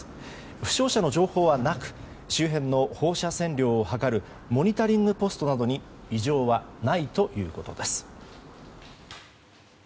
負傷者の情報はなく周辺の放射線量を測るモニタリングポストなどに異常はないということです。